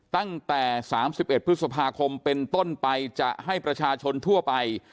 ตั้งแต่๓๑พฤษภาคมเป็นต้นไปจะให้ประชาชนทั่วไป